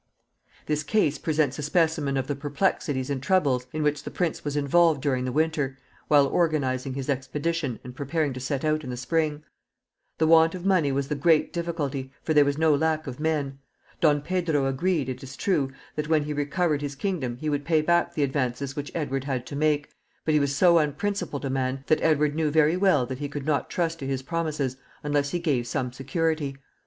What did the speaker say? This case presents a specimen of the perplexities and troubles in which the prince was involved during the winter, while organizing his expedition and preparing to set out in the spring. The want of money was the great difficulty, for there was no lack of men. Don Pedro agreed, it is true, that when he recovered his kingdom he would pay back the advances which Edward had to make, but he was so unprincipled a man that Edward knew very well that he could not trust to his promises unless he gave some security.